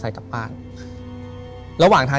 ถูกต้องไหมครับถูกต้องไหมครับ